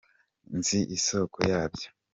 nzi isoko yabyo.